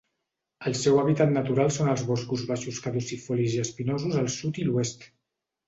El seu hàbitat natural són els boscos baixos caducifolis i espinosos al sud i l'oest.